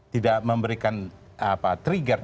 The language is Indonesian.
tidak memberikan trigger